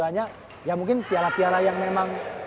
banyak ya mungkin piala piala yang memang